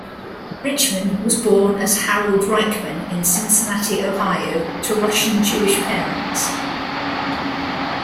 Richman was born as Harold Reichman in Cincinnati, Ohio to Russian Jewish parents.